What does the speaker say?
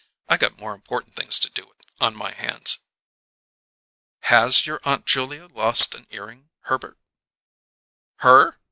I got more important things to do on my hands." "Has your Aunt Julia lost an earring, Herbert?" "Her?